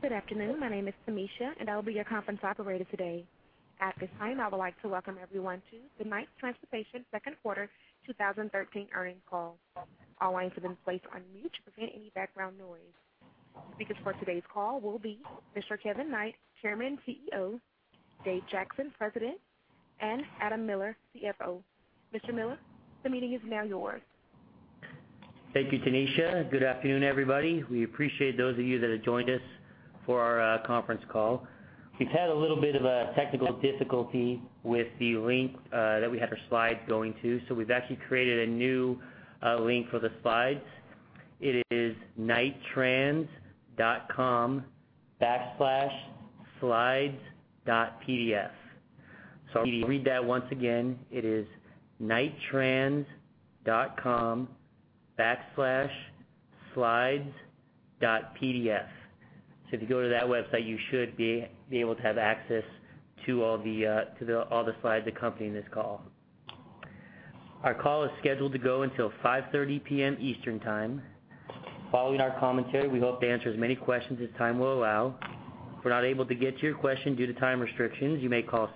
Good afternoon. My name is Tanisha, and I will be your conference operator today. At this time, I would like to welcome everyone to the Knight Transportation Second Quarter 2013 Earnings Call. All lines have been placed on mute to prevent any background noise. Speakers for today's call will be Mr. Kevin Knight, Chairman and Chief Executive Officer, Dave Jackson, President, and Adam Miller, Chief Financial Officer. Mr. Miller, the meeting is now yours. Thank you, Tanisha. Good afternoon, everybody. We appreciate those of you that have joined us for our conference call. We've had a little bit of a technical difficulty with the link that we had our slides going to, so we've actually created a new link for the slides. It is knighttrans.com/slides.pdf. So let me read that once again. It is knighttrans.com/slides.pdf. So if you go to that website, you should be able to have access to all the to the all the slides accompanying this call. Our call is scheduled to go until 5:30 P.M. Eastern Time. Following our commentary, we hope to answer as many questions as time will allow. If we're not able to get to your question due to time restrictions, you may call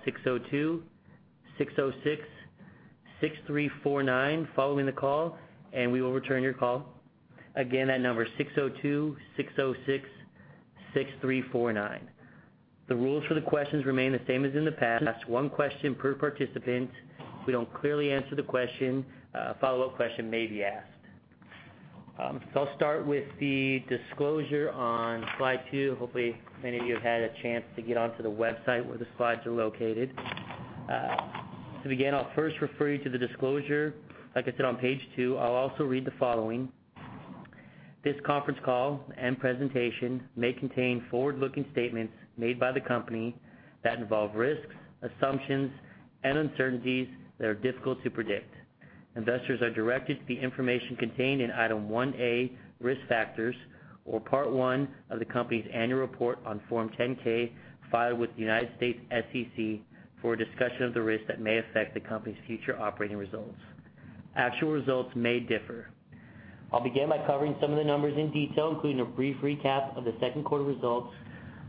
602-606-6349 following the call, and we will return your call. Again, that number is 602-606-6349. The rules for the questions remain the same as in the past. One question per participant. If we don't clearly answer the question, a follow-up question may be asked. So I'll start with the disclosure on Slide two. Hopefully, many of you have had a chance to get onto the website where the slides are located. To begin, I'll first refer you to the disclosure, like I said, on page two. I'll also read the following. This conference call and presentation may contain forward-looking statements made by the company that involve risks, assumptions, and uncertainties that are difficult to predict. Investors are directed to the information contained in Item 1A, Risk Factors, or Part I of the company's Annual Report on Form 10-K, filed with the U.S. SEC for a discussion of the risks that may affect the company's future operating results. Actual results may differ. I'll begin by covering some of the numbers in detail, including a brief recap of the second quarter results,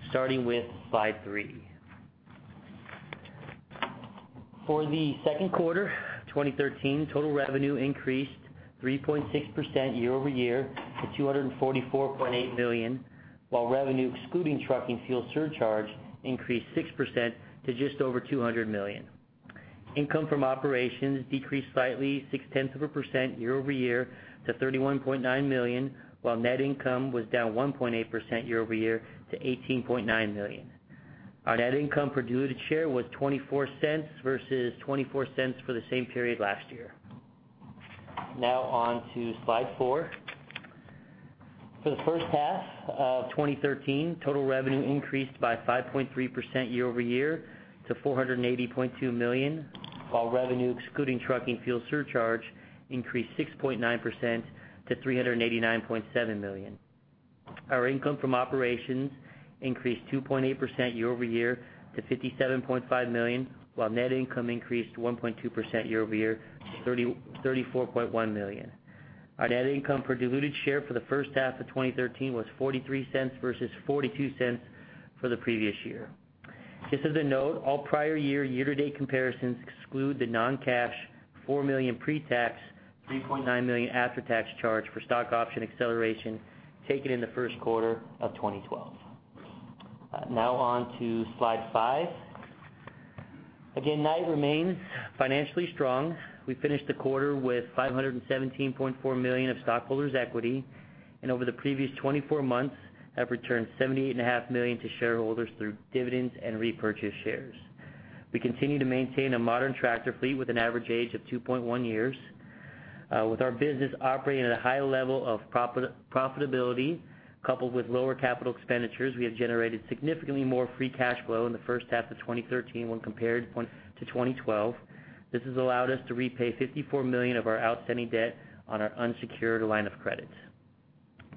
starting with slide 3. For the second quarter of 2013, total revenue increased 3.6% year-over-year to $244.8 million, while revenue excluding trucking fuel surcharge increased 6% to just over $200 million. Income from operations decreased slightly 0.6% year-over-year to $31.9 million, while net income was down 1.8% year-over-year to $18.9 million. Our net income per diluted share was $0.24 versus $0.24 for the same period last year. Now on to slide four. For the first half of 2013, total revenue increased by 5.3% year-over-year to $480.2 million, while revenue, excluding trucking fuel surcharge, increased 6.9% to $389.7 million. Our income from operations increased 2.8% year-over-year to $57.5 million, while net income increased 1.2% year-over-year to $34.1 million. Our net income per diluted share for the first half of 2013 was $0.43 versus $0.42 for the previous year. Just as a note, all prior year, year-to-date comparisons exclude the non-cash $4 million pre-tax, $3.9 million after-tax charge for stock option acceleration taken in the first quarter of 2012. Now on to slide five. Again, Knight remains financially strong. We finished the quarter with $517.4 million of stockholders' equity, and over the previous 24 months, have returned $78.5 million to shareholders through dividends and repurchased shares. We continue to maintain a modern tractor fleet with an average age of 2.1 years. With our business operating at a high level of profitability, coupled with lower capital expenditures, we have generated significantly more free cash flow in the first half of 2013 when compared to 2012. This has allowed us to repay $54 million of our outstanding debt on our unsecured line of credit.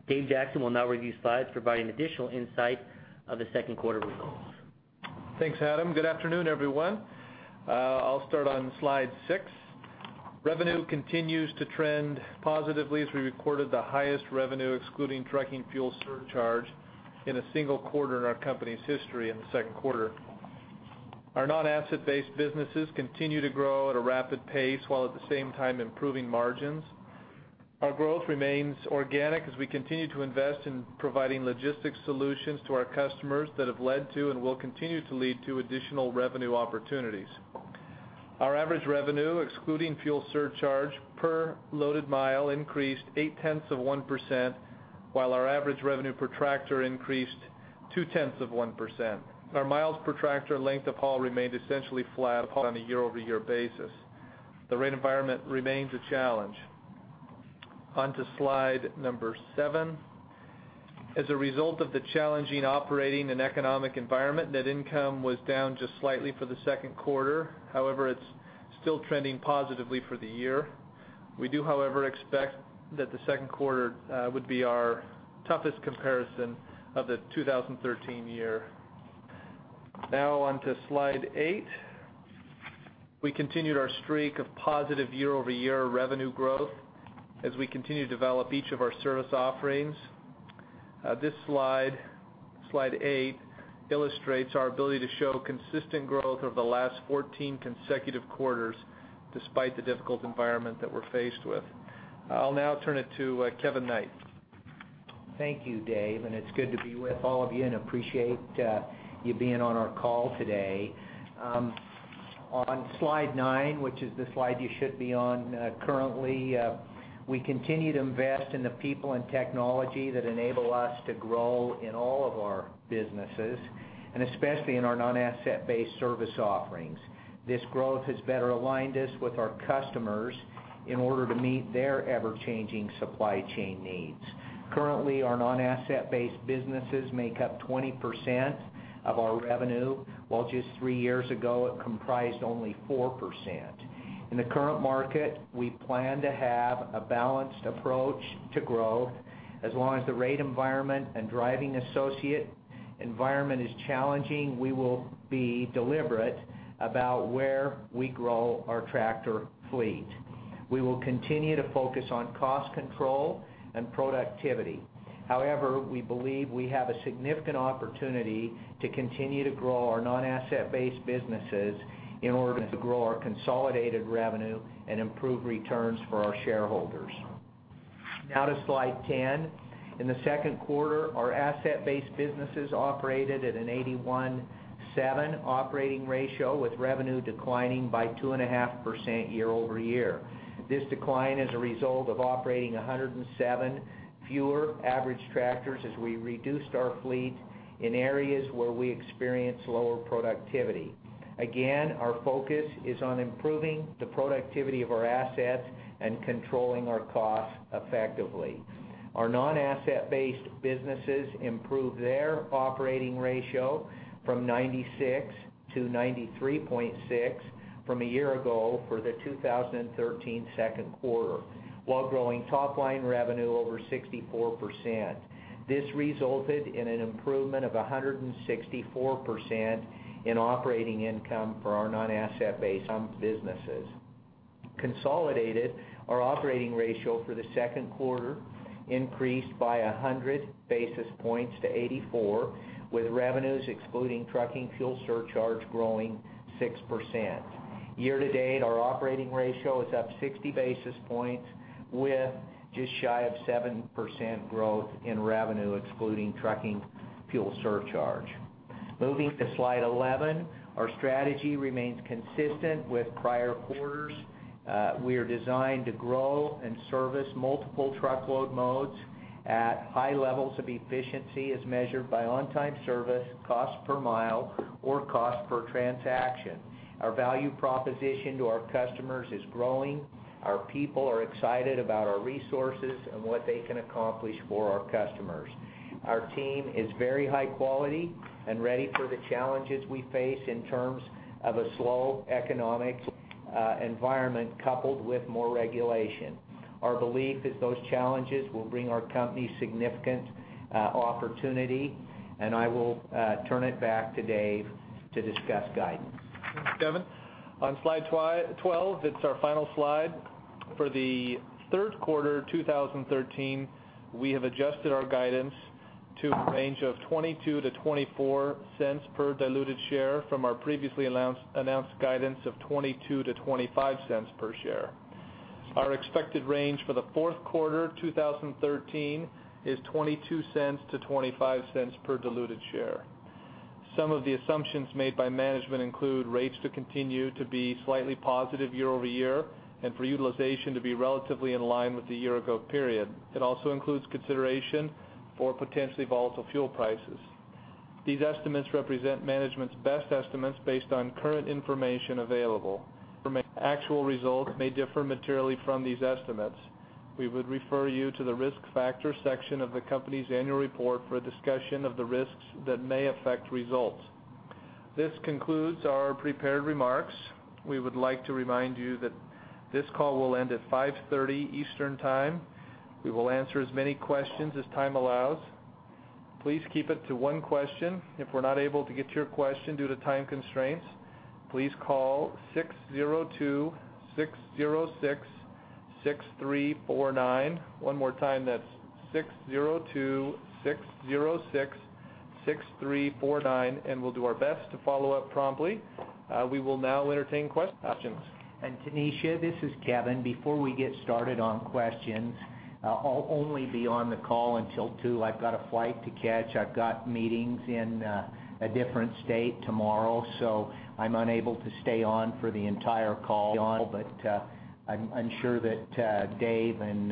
Dave Jackson will now review slides, providing additional insight of the second quarter results. Thanks, Adam. Good afternoon, everyone. I'll start on slide six. Revenue continues to trend positively as we recorded the highest revenue, excluding trucking fuel surcharge, in a single quarter in our company's history in the second quarter. Our non-asset-based businesses continue to grow at a rapid pace, while at the same time, improving margins. Our growth remains organic as we continue to invest in providing logistics solutions to our customers that have led to and will continue to lead to additional revenue opportunities. Our average revenue, excluding fuel surcharge, per loaded mile increased 0.8%, while our average revenue per tractor increased 0.2%. Our miles per tractor length of haul remained essentially flat on a year-over-year basis. The rate environment remains a challenge. On to slide seven, as a result of the challenging operating and economic environment, net income was down just slightly for the second quarter. However, it's still trending positively for the year. We do, however, expect that the second quarter would be our toughest comparison of the 2013 year. Now on to slide eight. We continued our streak of positive year-over-year revenue growth as we continue to develop each of our service offerings. This slide, slide eight, illustrates our ability to show consistent growth over the last 14 consecutive quarters, despite the difficult environment that we're faced with. I'll now turn it to Kevin Knight. Thank you, Dave, and it's good to be with all of you, and appreciate you being on our call today. On Slide nine, which is the slide you should be on currently, we continue to invest in the people and technology that enable us to grow in all of our businesses, and especially in our non-asset-based service offerings. This growth has better aligned us with our customers in order to meet their ever-changing supply chain needs. Currently, our non-asset-based businesses make up 20% of our revenue, while just 3 years ago, it comprised only 4%. In the current market, we plan to have a balanced approach to growth. As long as the rate environment and driving associate environment is challenging, we will be deliberate about where we grow our tractor fleet. We will continue to focus on cost control and productivity. However, we believe we have a significant opportunity to continue to grow our non-asset-based businesses in order to grow our consolidated revenue and improve returns for our shareholders. Now to Slide 10. In the second quarter, our asset-based businesses operated at an 81.7 operating ratio, with revenue declining by 2.5% year-over-year. This decline is a result of operating 107 fewer average tractors as we reduced our fleet in areas where we experience lower productivity. Again, our focus is on improving the productivity of our assets and controlling our costs effectively. Our non-asset-based businesses improved their operating ratio from 96 to 93.6 from a year ago for the 2013 second quarter, while growing top line revenue over 64%. This resulted in an improvement of 164% in operating income for our non-asset-based businesses. Consolidated, our operating ratio for the second quarter increased by 100 basis points to 84, with revenues excluding trucking fuel surcharge growing 6%. Year to date, our operating ratio is up 60 basis points, with just shy of 7% growth in revenue, excluding trucking fuel surcharge. Moving to Slide 11, our strategy remains consistent with prior quarters. We are designed to grow and service multiple truckload modes at high levels of efficiency, as measured by on-time service, cost per mile, or cost per transaction. Our value proposition to our customers is growing. Our people are excited about our resources and what they can accomplish for our customers. Our team is very high quality and ready for the challenges we face in terms of a slow economic environment, coupled with more regulation. Our belief is those challenges will bring our company significant opportunity, and I will turn it back to Dave to discuss guidance. Thanks, Kevin. On Slide 12, it's our final slide. For the third quarter 2013, we have adjusted our guidance to a range of $0.22-$0.24 per diluted share from our previously announced guidance of $0.22-$0.25 per share. Our expected range for the fourth quarter 2013 is $0.22-$0.25 per diluted share. Some of the assumptions made by management include rates to continue to be slightly positive year-over-year, and for utilization to be relatively in line with the year ago period. It also includes consideration for potentially volatile fuel prices. These estimates represent management's best estimates based on current information available, where actual results may differ materially from these estimates. We would refer you to the Risk Factors section of the company's annual report for a discussion of the risks that may affect results. This concludes our prepared remarks. We would like to remind you that this call will end at 5:30 P.M. Eastern Time. We will answer as many questions as time allows. Please keep it to one question. If we're not able to get to your question due to time constraints, please call 602-606-6349. One more time, that's 602-606-6349, and we'll do our best to follow up promptly. We will now entertain questions. Tanisha, this is Kevin. Before we get started on questions, I'll only be on the call until 2:00 P.M. I've got a flight to catch. I've got meetings in a different state tomorrow, so I'm unable to stay on for the entire call. But I'm sure that Dave and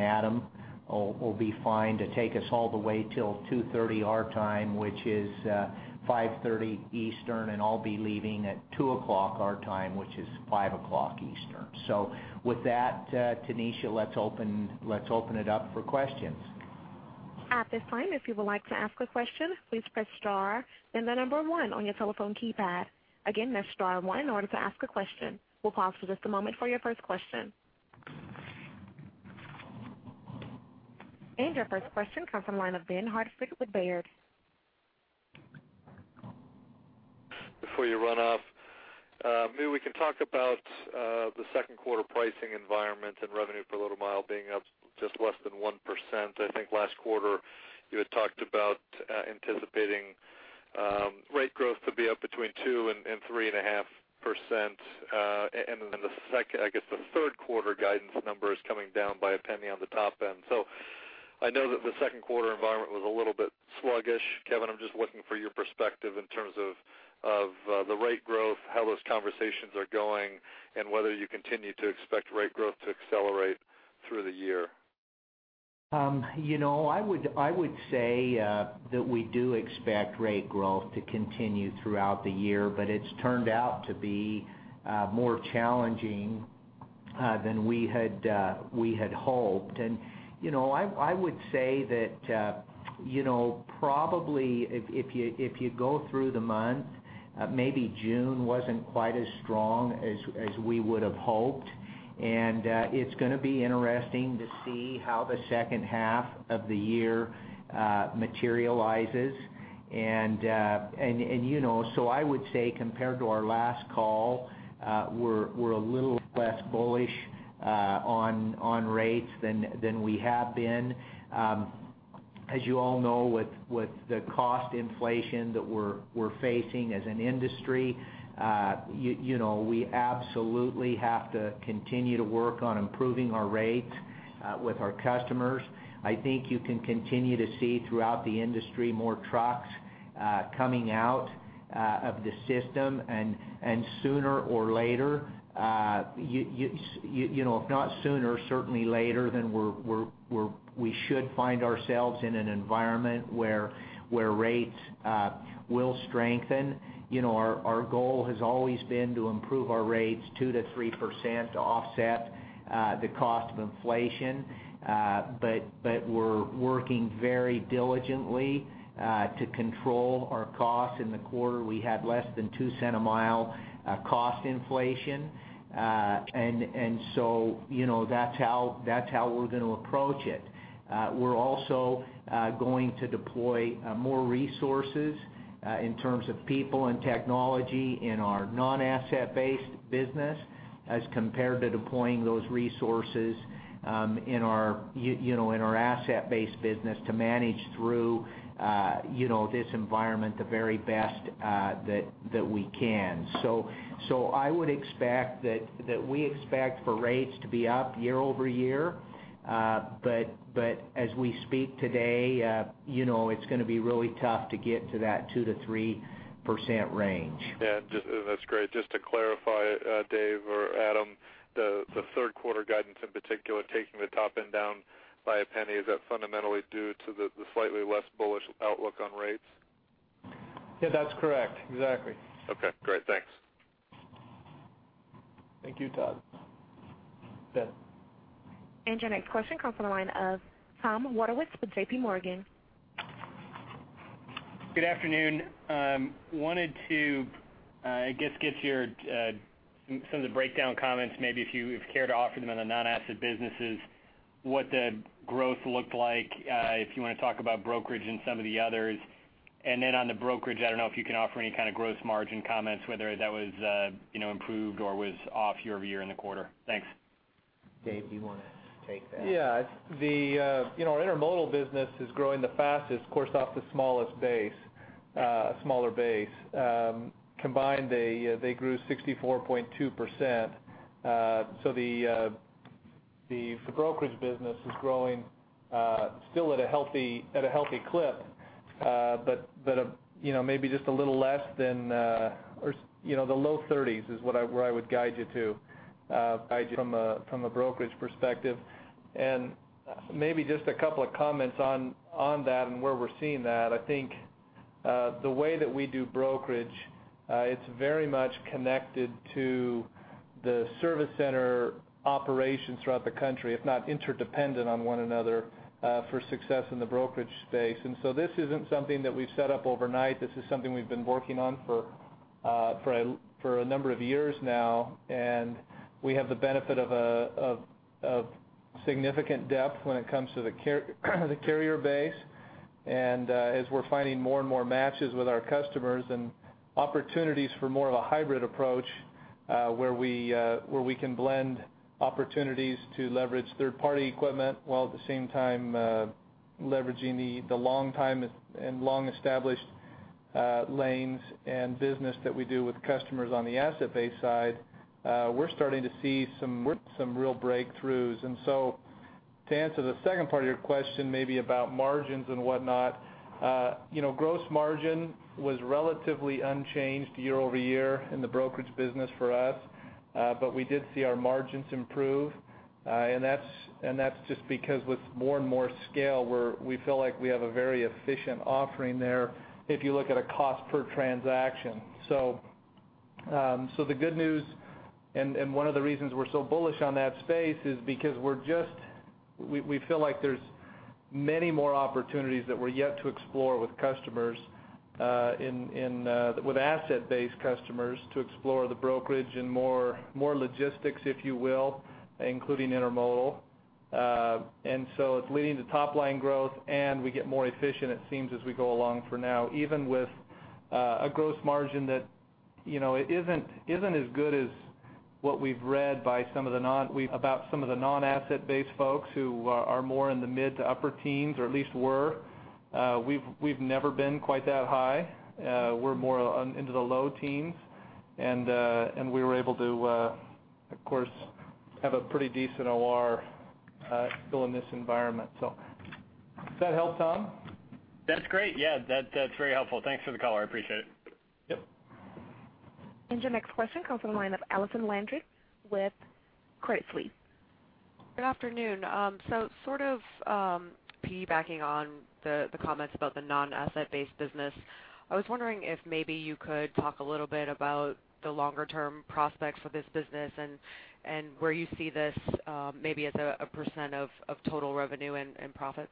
Adam will be fine to take us all the way till 2:30 P.M. our time, which is 5:30 P.M. Eastern, and I'll be leaving at 2:00 P.M. our time, which is 5:00 P.M. Eastern. So with that, Tanisha, let's open it up for questions. At this time, if you would like to ask a question, please press star, then the number one on your telephone keypad. Again, that's star one in order to ask a question. We'll pause for just a moment for your first question. Your first question comes from the line of Ben Hartford with Baird. Before you run off, maybe we can talk about the second quarter pricing environment and revenue for LTL mile being up just less than 1%. I think last quarter, you had talked about anticipating rate growth to be up between 2% and 3.5%, and then I guess the third quarter guidance number is coming down by a penny on the top end. So I know that the second quarter environment was a little bit sluggish. Kevin, I'm just looking for your perspective in terms of the rate growth, how those conversations are going, and whether you continue to expect rate growth to accelerate through the year. You know, I would say that we do expect rate growth to continue throughout the year, but it's turned out to be more challenging than we had hoped. And, you know, I would say that, you know, probably if you go through the month, maybe June wasn't quite as strong as we would have hoped. And you know, so I would say, compared to our last call, we're a little less bullish on rates than we have been. As you all know, with the cost inflation that we're facing as an industry, you know, we absolutely have to continue to work on improving our rates with our customers. I think you can continue to see throughout the industry, more trucks coming out of the system, and sooner or later, you know, if not sooner, certainly later, then we should find ourselves in an environment where rates will strengthen. You know, our goal has always been to improve our rates 2%-3% to offset the cost of inflation, but we're working very diligently to control our costs. In the quarter, we had less than $0.02 a mile cost inflation. And so, you know, that's how we're going to approach it. We're also going to deploy more resources in terms of people and technology in our non-asset-based business, as compared to deploying those resources in our, you know, in our asset-based business to manage through, you know, this environment the very best that we can. So I would expect that we expect for rates to be up year-over-year, but as we speak today, you know, it's gonna be really tough to get to that 2%-3% range. Yeah, just that's great. Just to clarify, Dave or Adam, the, the third quarter guidance, in particular, taking the top end down by a penny, is that fundamentally due to the, the slightly less bullish outlook on rates? Yeah, that's correct. Exactly. Okay, great. Thanks. Thank you, Todd. Ben. Your next question comes from the line of Tom Wadewitz with J.P. Morgan. Good afternoon. Wanted to, I guess, get your some of the breakdown comments, maybe if you care to offer them in the non-asset businesses, what the growth looked like, if you want to talk about brokerage and some of the others. And then on the brokerage, I don't know if you can offer any kind of gross margin comments, whether that was, you know, improved or was off year-over-year in the quarter. Thanks. Dave, do you want to take that? Yeah. The, you know, our intermodal business is growing the fastest, of course, off the smallest base, smaller base. Combined, they, they grew 64.2%. So the, the brokerage business is growing, still at a healthy, at a healthy clip, but, but, you know, maybe just a little less than, or, you know, the low 30s is what I, where I would guide you to, guide you from a, from a brokerage perspective. And maybe just a couple of comments on, on that and where we're seeing that. I think, the way that we do brokerage, it's very much connected to the service center operations throughout the country, if not interdependent on one another, for success in the brokerage space. And so this isn't something that we've set up overnight. This is something we've been working on for a number of years now, and we have the benefit of significant depth when it comes to the carrier base. As we're finding more and more matches with our customers and opportunities for more of a hybrid approach, where we can blend opportunities to leverage third-party equipment, while at the same time leveraging the long time and long-established lanes and business that we do with customers on the asset-based side, we're starting to see some real breakthroughs. So to answer the second part of your question, maybe about margins and whatnot, you know, gross margin was relatively unchanged year-over-year in the brokerage business for us, but we did see our margins improve. And that's just because with more and more scale, we're, we feel like we have a very efficient offering there, if you look at a cost per transaction. So, the good news, and one of the reasons we're so bullish on that space is because we're just, we feel like there's many more opportunities that we're yet to explore with customers, in with asset-based customers to explore the brokerage and more logistics, if you will, including intermodal. And so it's leading to top line growth, and we get more efficient, it seems, as we go along for now, even with a gross margin that, you know, it isn't, isn't as good as what we've read about some of the non-asset-based folks who are more in the mid to upper teens, or at least were. We've, we've never been quite that high. We're more in the low teens, and and we were able to, of course, have a pretty decent OR still in this environment. So does that help, Tom? That's great. Yeah, that's very helpful. Thanks for the color. I appreciate it. Yep. Your next question comes from the line of Allison Landry with Credit Suisse. Good afternoon. So sort of, piggybacking on the comments about the non-asset-based business, I was wondering if maybe you could talk a little bit about the longer-term prospects for this business and where you see this maybe as a percent of total revenue and profits.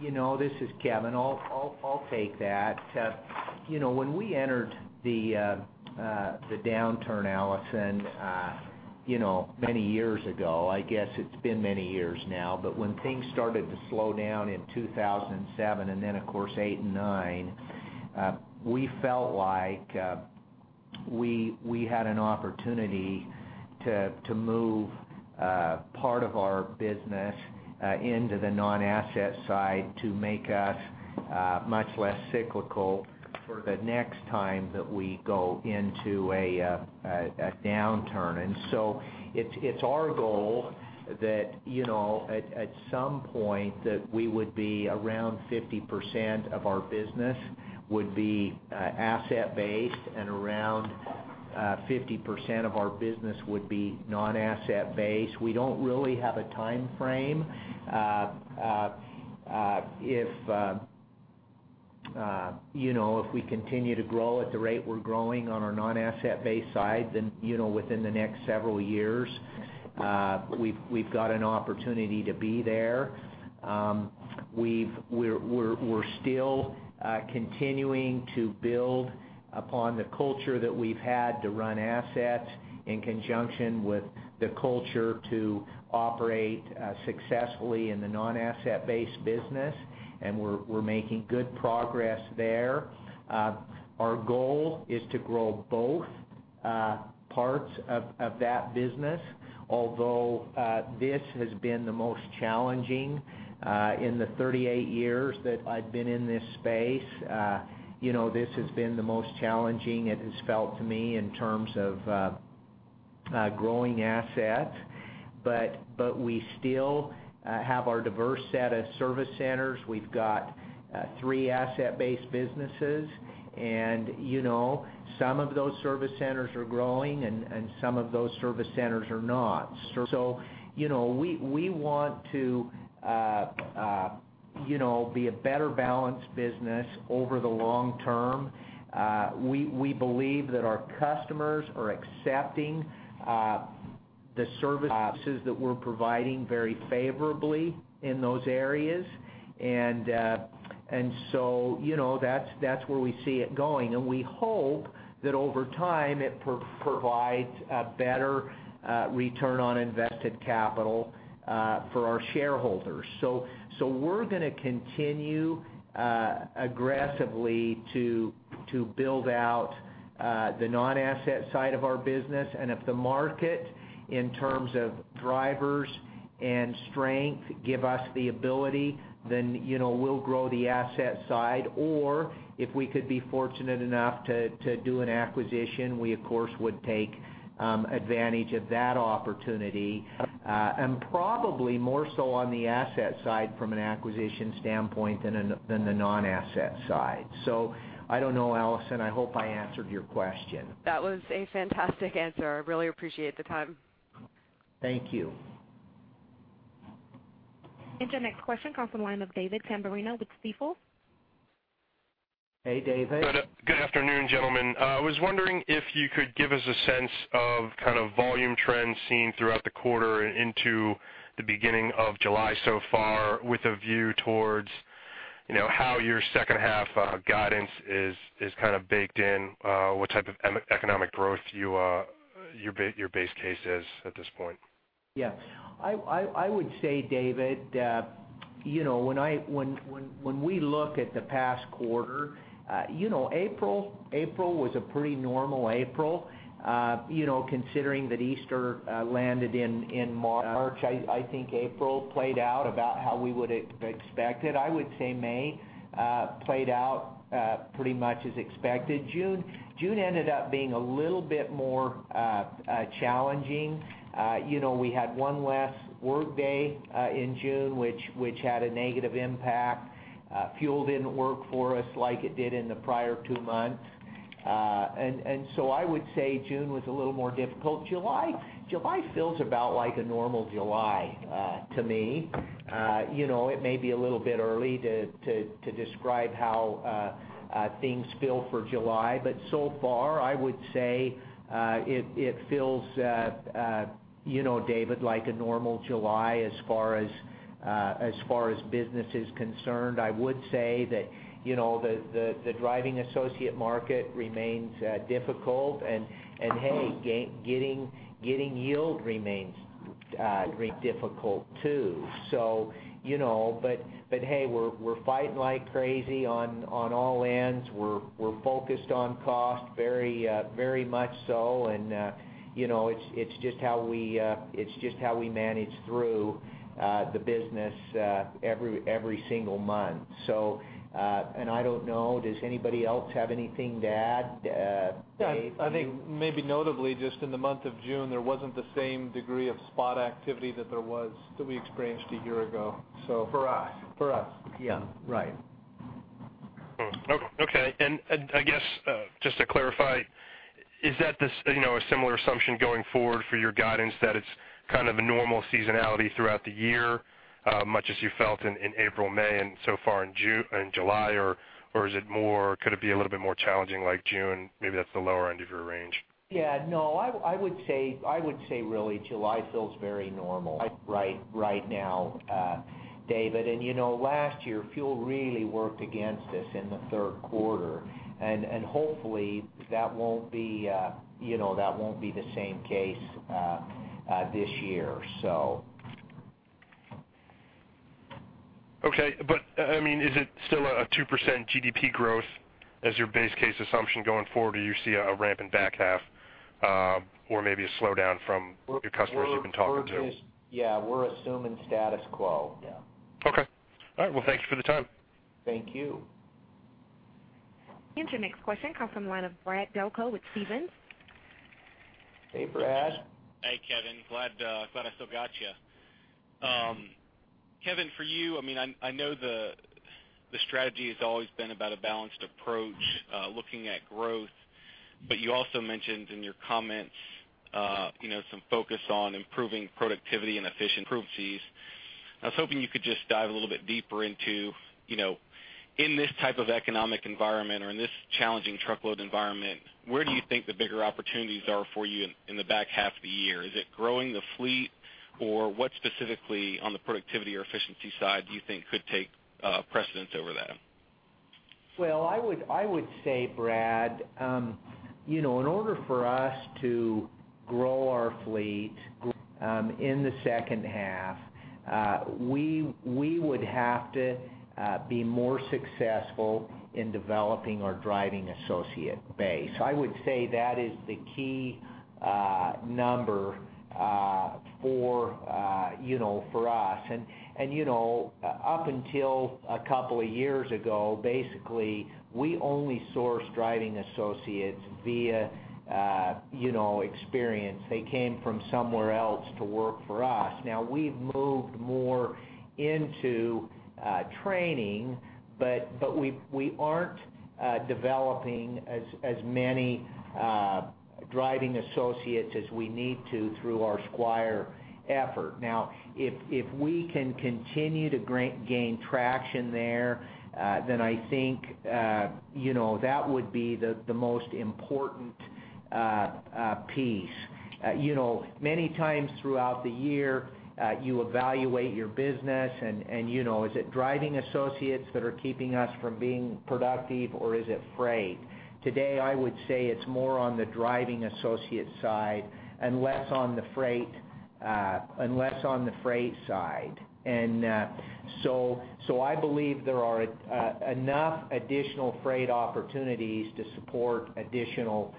You know, this is Kevin. I'll take that. You know, when we entered the downturn, Allison, you know, many years ago, I guess it's been many years now, but when things started to slow down in 2007, and then, of course, 2008 and 2009, we felt like we had an opportunity to move part of our business into the non-asset side to make us much less cyclical for the next time that we go into a downturn. And so it's our goal that, you know, at some point that we would be around 50% of our business would be asset-based, and around 50% of our business would be non-asset-based. We don't really have a time frame. If you know, if we continue to grow at the rate we're growing on our non-asset-based side, then, you know, within the next several years, we've got an opportunity to be there. We're still continuing to build upon the culture that we've had to run assets in conjunction with the culture to operate successfully in the non-asset-based business, and we're making good progress there. Our goal is to grow both parts of that business, although this has been the most challenging in the 38 years that I've been in this space. You know, this has been the most challenging. It has felt to me, in terms of growing assets. But we still have our diverse set of service centers. We've got three asset-based businesses, and you know, some of those service centers are growing and some of those service centers are not. So you know, we want to be a better balanced business over the long term. We believe that our customers are accepting the services that we're providing very favorably in those areas. And so you know, that's where we see it going. And we hope that over time, it provides a better return on invested capital for our shareholders. So we're going to continue aggressively to build out the non-asset side of our business. And if the market, in terms of drivers and strength, give us the ability, then you know, we'll grow the asset side. Or if we could be fortunate enough to do an acquisition, we, of course, would take advantage of that opportunity, and probably more so on the asset side from an acquisition standpoint than the non-asset side. So I don't know, Allison, I hope I answered your question. That was a fantastic answer. I really appreciate the time. Thank you. Your next question comes from the line of David Tamberrino with Stifel. Hey, David. Good afternoon, gentlemen. I was wondering if you could give us a sense of kind of volume trends seen throughout the quarter and into the beginning of July so far, with a view towards, you know, how your second half guidance is kind of baked in, what type of economic growth your base case is at this point? Yeah. I would say, David, you know, when we look at the past quarter, you know, April was a pretty normal April. You know, considering that Easter landed in March, I think April played out about how we would've expected. I would say May played out pretty much as expected. June ended up being a little bit more challenging. You know, we had one less workday in June, which had a negative impact. Fuel didn't work for us like it did in the prior two months. And so I would say June was a little more difficult. July feels about like a normal July to me. You know, it may be a little bit early to describe how things feel for July, but so far, I would say it feels, you know, David, like a normal July as far as business is concerned. I would say that, you know, the driving associate market remains difficult. And hey, getting yield remains difficult, too. So, you know, but hey, we're fighting like crazy on all ends. We're focused on cost very much so. And you know, it's just how we manage through the business every single month. So, and I don't know, does anybody else have anything to add, Dave? Yeah, I think maybe notably, just in the month of June, there wasn't the same degree of spot activity that there was that we experienced a year ago, so. For us. For us. Yeah, right. Hmm, okay. And I guess, just to clarify, is that this, you know, a similar assumption going forward for your guidance, that it's kind of a normal seasonality throughout the year, much as you felt in April, May, and so far in July? Or is it more, could it be a little bit more challenging like June? Maybe that's the lower end of your range. Yeah, no, I, I would say, I would say really, July feels very normal, right, right now, David. And, you know, last year, fuel really worked against us in the third quarter. And, hopefully, that won't be, you know, that won't be the same case, this year, so. Okay. But, I mean, is it still a 2% GDP growth as your base case assumption going forward, or you see a ramp in back half, or maybe a slowdown from your customers you've been talking to? We're just yeah, we're assuming status quo, yeah. Okay. All right, well, thank you for the time. Thank you. Your next question comes from the line of Brad Delco with Stephens. Hey, Brad. Hey, Kevin. Glad, glad I still got you. Kevin, for you, I mean, I know the strategy has always been about a balanced approach, looking at growth, but you also mentioned in your comments, you know, some focus on improving productivity and efficient efficiencies. I was hoping you could just dive a little bit deeper into, you know, in this type of economic environment or in this challenging truckload environment, where do you think the bigger opportunities are for you in the back half of the year? Is it growing the fleet, or what specifically on the productivity or efficiency side do you think could take precedence over that? Well, I would say, Brad, you know, in order for us to grow our fleet in the second half, we would have to be more successful in developing our driving associate base. I would say that is the key number, you know, for us. And you know, up until a couple of years ago, basically, we only sourced driving associates via, you know, experience. They came from somewhere else to work for us. Now, we've moved more into training, but we aren't developing as many driving associates as we need to through our Squire effort. Now, if we can continue to gain traction there, then I think, you know, that would be the most important piece. You know, many times throughout the year, you evaluate your business and, and you know, is it driving associates that are keeping us from being productive, or is it freight? Today, I would say it's more on the driving associate side and less on the freight, and less on the freight side. And, so, so I believe there are enough additional freight opportunities to support additional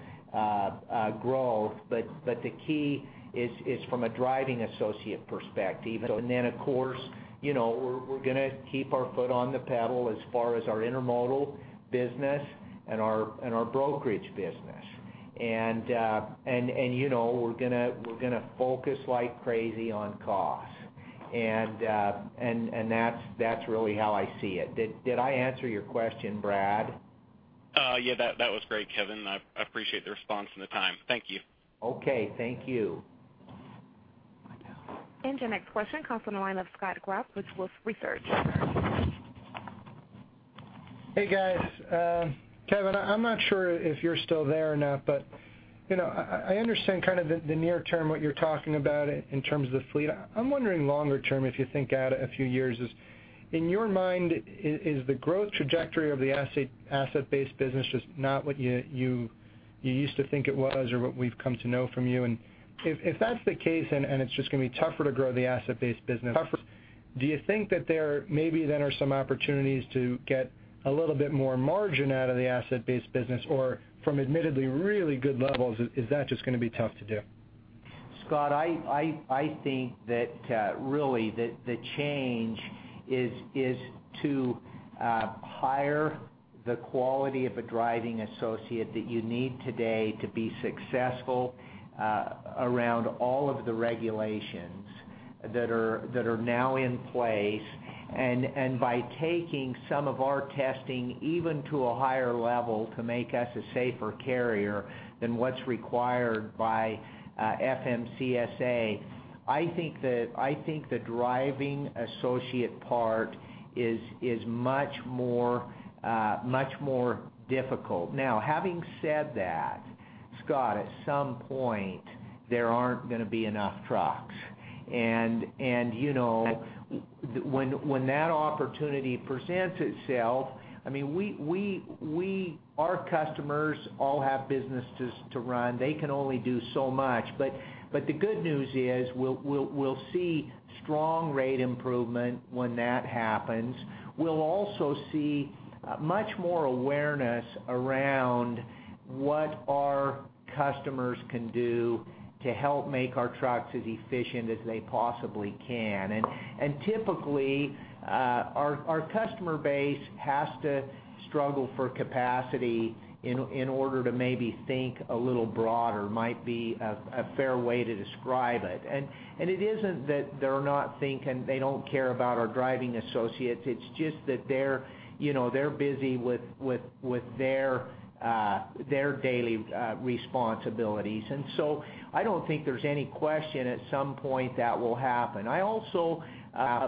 growth, but, but the key is, is from a driving associate perspective. So then, of course, you know, we're, we're gonna keep our foot on the pedal as far as our intermodal business and our, and our brokerage business. And, and, and, you know, we're gonna, we're gonna focus like crazy on cost. And, and, and that's, that's really how I see it. Did, did I answer your question, Brad? Yeah, that was great, Kevin. I appreciate the response and the time. Thank you. Okay, thank you. Your next question comes from the line of Scott Group with Wolfe Research. Hey, guys. Kevin, I'm not sure if you're still there or not, but you know, I understand kind of the near term, what you're talking about in terms of the fleet. I'm wondering longer term, if you think out a few years, is in your mind is the growth trajectory of the asset-based business just not what you used to think it was or what we've come to know from you? And if that's the case, and it's just gonna be tougher to grow the asset-based business, do you think that there maybe then are some opportunities to get a little bit more margin out of the asset-based business? Or from admittedly really good levels, is that just gonna be tough to do? Scott, I think that really the change is to hire the quality of a driving associate that you need today to be successful around all of the regulations that are now in place, and by taking some of our testing even to a higher level to make us a safer carrier than what's required by FMCSA, I think the driving associate part is much more difficult. Now, having said that, Scott, at some point, there aren't gonna be enough trucks. And you know, when that opportunity presents itself, I mean, our customers all have businesses to run. They can only do so much. But the good news is, we'll see strong rate improvement when that happens. We'll also see much more awareness around what our customers can do to help make our trucks as efficient as they possibly can. And typically, our customer base has to struggle for capacity in order to maybe think a little broader, might be a fair way to describe it. And it isn't that they're not thinking, they don't care about our driving associates, it's just that they're, you know, they're busy with their daily responsibilities. And so I don't think there's any question, at some point, that will happen. I also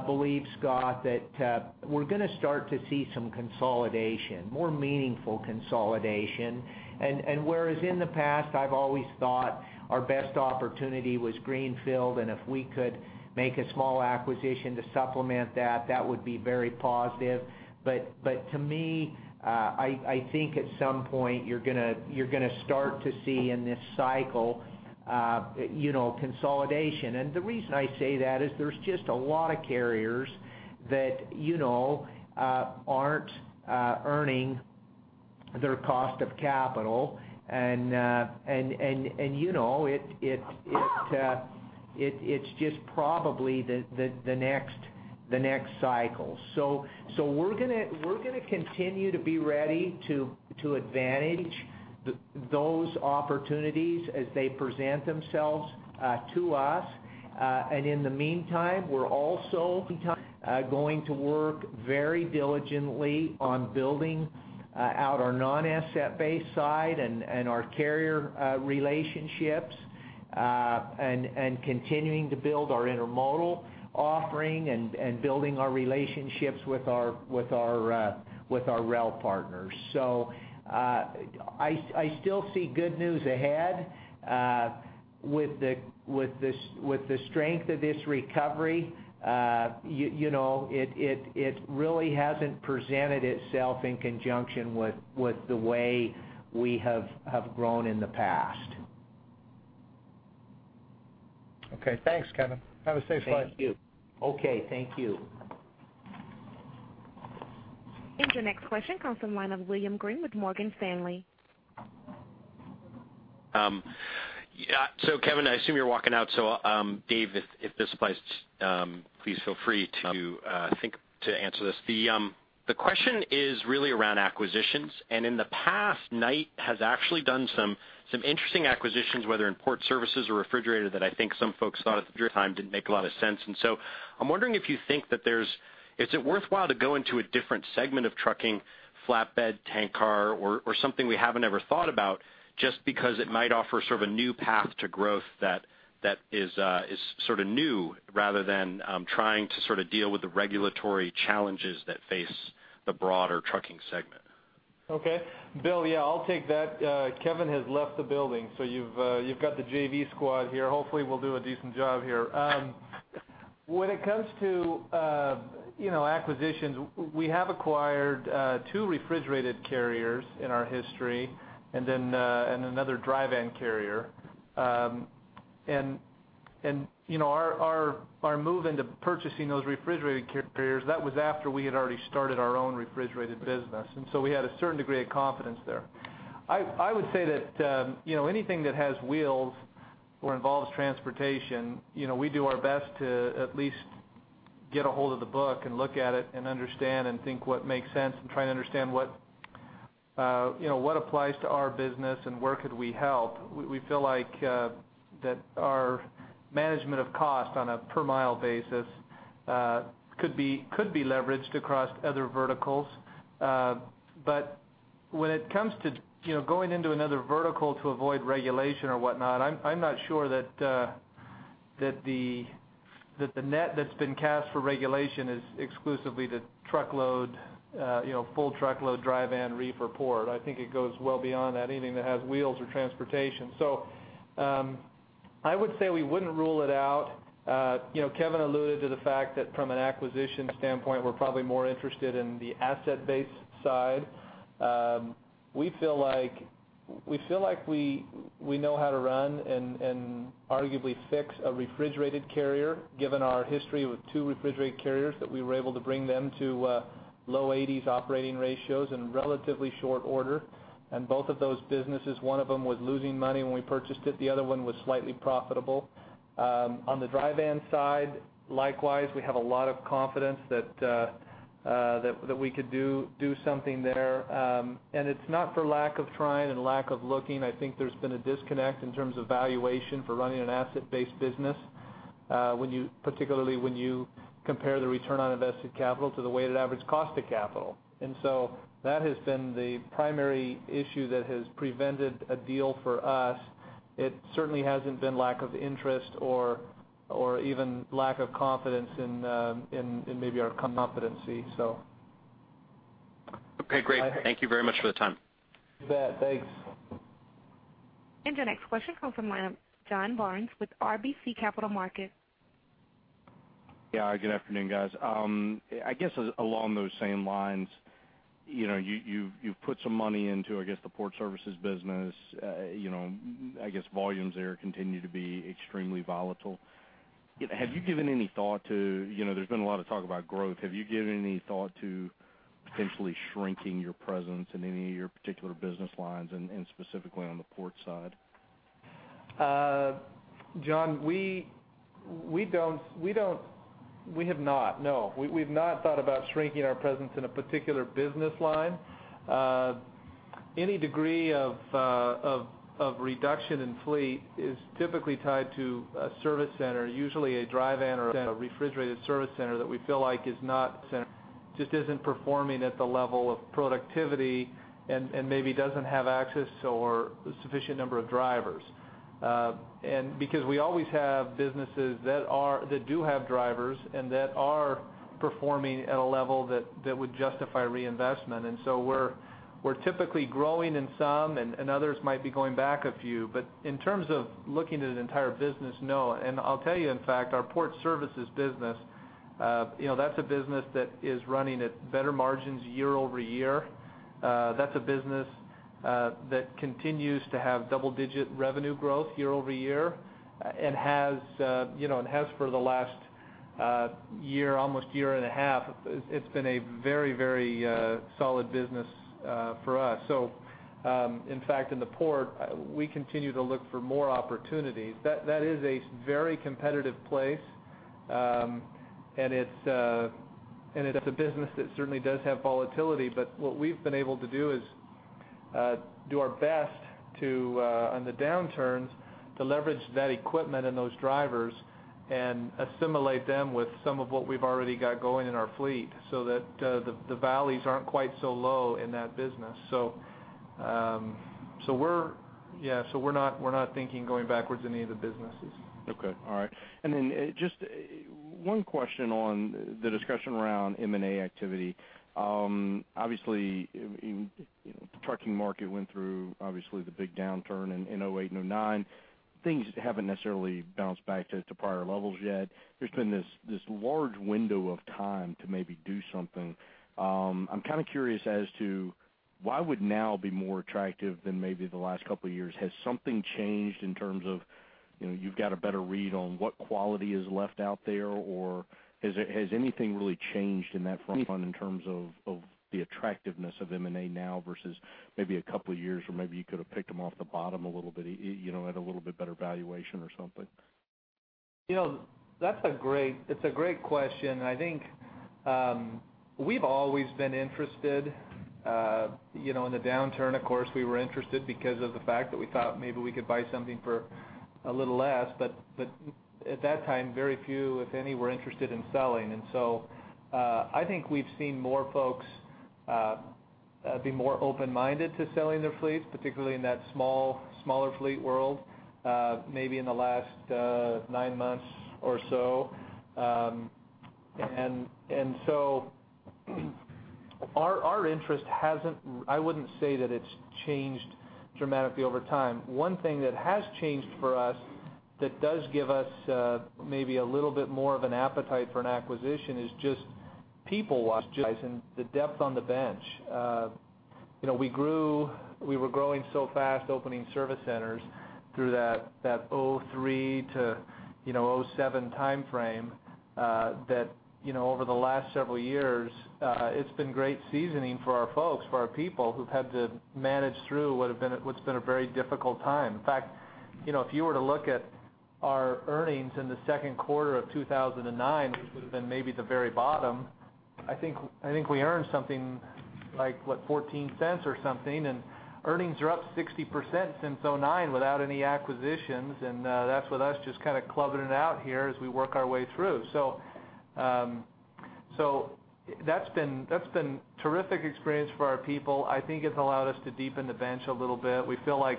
believe, Scott, that we're gonna start to see some consolidation, more meaningful consolidation. And whereas in the past, I've always thought our best opportunity was greenfield, and if we could make a small acquisition to supplement that, that would be very positive. But to me, I think at some point, you're gonna start to see in this cycle, you know, consolidation. And the reason I say that is there's just a lot of carriers that, you know, aren't earning their cost of capital, and you know, it's just probably the next cycle. So we're gonna continue to be ready to advantage those opportunities as they present themselves to us. And in the meantime, we're also going to work very diligently on building out our non-asset-based side and our carrier relationships, and continuing to build our intermodal offering, and building our relationships with our REL partners. So, I still see good news ahead. With the strength of this recovery, you know, it really hasn't presented itself in conjunction with the way we have grown in the past. Okay. Thanks, Kevin. Have a safe flight. Thank you. Okay, thank you. And the next question comes from the line of William Greene with Morgan Stanley. Yeah, so Kevin, I assume you're walking out. So, Dave, if this applies, please feel free to think to answer this. The question is really around acquisitions, and in the past, Knight has actually done some interesting acquisitions, whether in port services or refrigerated, that I think some folks thought at the time didn't make a lot of sense. And so I'm wondering if you think that there's—is it worthwhile to go into a different segment of trucking, flatbed, tank car, or something we haven't ever thought about, just because it might offer sort of a new path to growth that is sort of new, rather than trying to sort of deal with the regulatory challenges that face the broader trucking segment? Okay. Bill, yeah, I'll take that. Kevin has left the building, so you've got the JV squad here. Hopefully, we'll do a decent job here. When it comes to you know, acquisitions, we have acquired two refrigerated carriers in our history and then and another drive van carrier. And you know, our move into purchasing those refrigerated carriers, that was after we had already started our own refrigerated business, and so we had a certain degree of confidence there. I would say that you know, anything that has wheels or involves transportation, you know, we do our best to at least get a hold of the book and look at it and understand and think what makes sense and try and understand what you know, what applies to our business and where could we help. We feel like that our management of cost on a per mile basis could be leveraged across other verticals. But when it comes to, you know, going into another vertical to avoid regulation or whatnot, I'm not sure that the net that's been cast for regulation is exclusively the truckload, you know, full truckload, dry van, reefer or port. I think it goes well beyond that, anything that has wheels or transportation. So, I would say we wouldn't rule it out. You know, Kevin alluded to the fact that from an acquisition standpoint, we're probably more interested in the asset-based side. We feel like we know how to run and arguably fix a refrigerated carrier, given our history with two refrigerated carriers that we were able to bring them to low 80s operating ratios in relatively short order. And both of those businesses, one of them was losing money when we purchased it, the other one was slightly profitable. On the dry van side, likewise, we have a lot of confidence that we could do something there. And it's not for lack of trying and lack of looking. I think there's been a disconnect in terms of valuation for running an asset-based business, when you, particularly when you compare the return on invested capital to the weighted average cost of capital. And so that has been the primary issue that has prevented a deal for us. It certainly hasn't been lack of interest or even lack of confidence in maybe our competency, so. Okay, great. Thank you very much for the time. You bet. Thanks. Our next question comes from the line of John Barnes with RBC Capital Markets. Yeah, good afternoon, guys. I guess, along those same lines, you know, you've put some money into, I guess, the port services business. You know, I guess, volumes there continue to be extremely volatile. Have you given any thought to, you know, there's been a lot of talk about growth? Have you given any thought to potentially shrinking your presence in any of your particular business lines, and specifically on the port side? John, we don't—we have not, no. We've not thought about shrinking our presence in a particular business line. Any degree of reduction in fleet is typically tied to a service center, usually a dry van or a refrigerated service center that we feel like is not center, just isn't performing at the level of productivity, and maybe doesn't have access or sufficient number of drivers. And because we always have businesses that do have drivers and that are performing at a level that would justify reinvestment. And so we're typically growing in some, and others might be going back a few. But in terms of looking at an entire business, no. And I'll tell you, in fact, our port services business, you know, that's a business that is running at better margins year-over-year. That's a business that continues to have double-digit revenue growth year-over -year, and has, you know, and has for the last year, almost year and a half. It's been a very, very solid business for us. So, in fact, in the port, we continue to look for more opportunities. That is a very competitive place, and it's a business that certainly does have volatility. But what we've been able to do is, do our best to, on the downturns, to leverage that equipment and those drivers and assimilate them with some of what we've already got going in our fleet, so that, the valleys aren't quite so low in that business. So, so we're not, we're not thinking going backwards in any of the businesses. Okay. All right. And then, just one question on the discussion around M&A activity. Obviously, you know, the trucking market went through, obviously, the big downturn in 2008 and 2009. Things haven't necessarily bounced back to prior levels yet. There's been this large window of time to maybe do something. I'm kind of curious as to why would now be more attractive than maybe the last couple of years? Has something changed in terms of, you know, you've got a better read on what quality is left out there, or has anything really changed in that front in terms of the attractiveness of M&A now versus maybe a couple of years where maybe you could have picked them off the bottom a little bit, you know, at a little bit better valuation or something? You know, that's a great question. It's a great question. I think, we've always been interested, you know, in the downturn, of course, we were interested because of the fact that we thought maybe we could buy something for a little less. But at that time, very few, if any, were interested in selling. And so, I think we've seen more folks be more open-minded to selling their fleets, particularly in that smaller fleet world, maybe in the last nine months or so. And so, our interest hasn't. I wouldn't say that it's changed dramatically over time. One thing that has changed for us, that does give us, maybe a little bit more of an appetite for an acquisition, is just people wise, and the depth on the bench. You know, we grew -- we were growing so fast, opening service centers through that, that 2003 to, you know, 2007 time frame, that, you know, over the last several years, it's been great seasoning for our folks, for our people, who've had to manage through what have been what's been a very difficult time. In fact, you know, if you were to look at our earnings in the second quarter of 2009, which would have been maybe the very bottom, I think we earned something like, what, $0.14 or something, and earnings are up 60% since 2009 without any acquisitions, and, that's with us just kind of clubbing it out here as we work our way through. So, so that's been, that's been terrific experience for our people. I think it's allowed us to deepen the bench a little bit. We feel like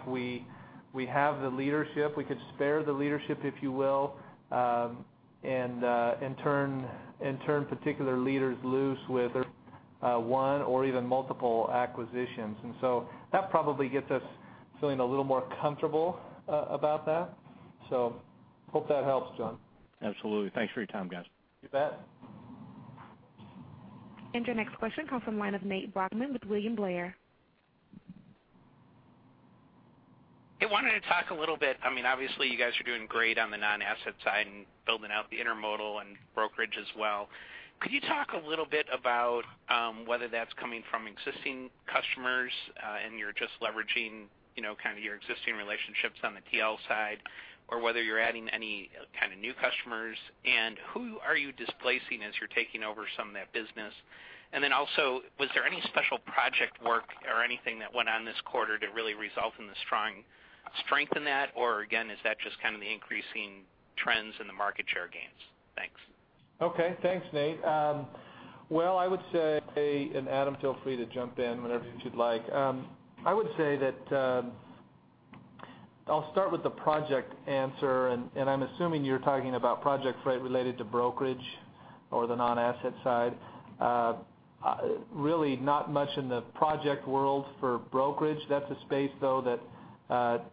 we have the leadership we could spare the leadership, if you will, and turn particular leaders loose with one or even multiple acquisitions. And so that probably gets us feeling a little more comfortable about that. So hope that helps, John. Absolutely. Thanks for your time, guys. You bet. And our next question comes from the line of Nate Brochmann with William Blair. Hey, I wanted to talk a little bit, I mean, obviously, you guys are doing great on the non-asset side and building out the intermodal and brokerage as well. Could you talk a little bit about whether that's coming from existing customers, and you're just leveraging, you know, kind of your existing relationships on the TL side, or whether you're adding any kind of new customers, and who are you displacing as you're taking over some of that business? And then also, was there any special project work or anything that went on this quarter that really resulted in the strengthening that? Or again, is that just kind of the increasing trends in the market share gains? Thanks. Okay, thanks, Nate. Well, I would say, and Adam, feel free to jump in whenever you'd like. I would say that I'll start with the project answer, and I'm assuming you're talking about project freight related to brokerage or the non-asset side. Really not much in the project world for brokerage. That's a space, though, that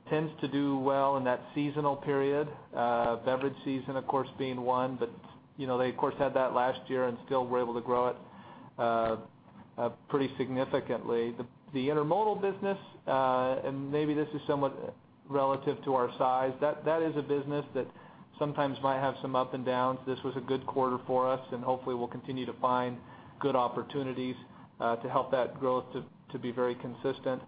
tends to do well in that seasonal period, beverage season, of course, being one. But, you know, they, of course, had that last year and still were able to grow it, pretty significantly. The intermodal business, and maybe this is somewhat relative to our size, that is a business that sometimes might have some up and downs. This was a good quarter for us, and hopefully, we'll continue to find good opportunities to help that growth to be very consistent.